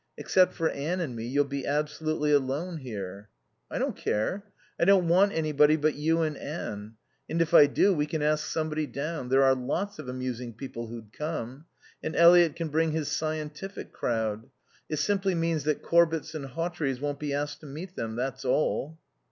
Except for Anne and me you'll be absolutely alone here." "I don't care. I don't want anybody but you and Anne. And if I do we can ask somebody down. There are lots of amusing people who'd come. And Eliot can bring his scientific crowd. It simply means that Corbetts and Hawtreys won't be asked to meet them, that's all."